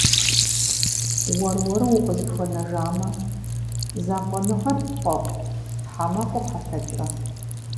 Уэр-уэру укъызыхуэнэжамэ, закъуэныгъэр пфӏэфӏ хьэмэ къохьэлъэкӏрэ?